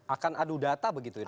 akan adu data begitu ya nanti ya